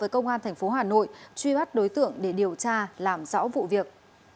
với công an thành phố hà nội truy bắt đối tượng để điều tra làm rõ vụ việc